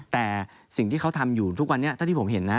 แต่สิ่งที่เขาทำอยู่ทุกวันนี้เท่าที่ผมเห็นนะ